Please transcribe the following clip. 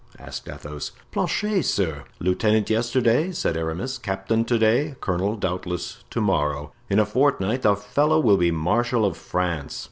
asked Athos. "Planchet, sir." "Lieutenant yesterday," said Aramis, "captain to day, colonel, doubtless, to morrow; in a fortnight the fellow will be marshal of France."